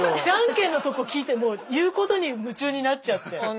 じゃんけんのとこ聞いてもう言うことに夢中になっちゃって。